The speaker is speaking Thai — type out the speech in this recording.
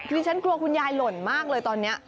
ที่ฉันกลัวคุณยายหล่นมากเลยตอนนี้